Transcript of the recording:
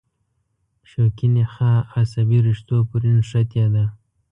شوکي نخاع عصبي رشتو پورې نښتې ده.